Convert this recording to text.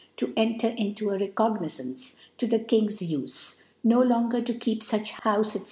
to enter into a Recognizance to ^. the King's Ufe, no longer to keep fach ^ Houfe)\&^.